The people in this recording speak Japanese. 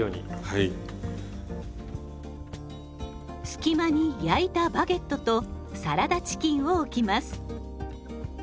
隙間に焼いたバゲットとサラダチキンを置きます。